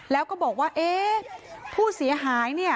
แล้วก็บอกว่าเอ๊ะผู้เสียหายเนี่ย